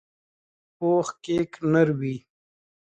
پوخ کیک نر وي